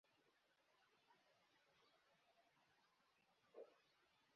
একজন fashion designer.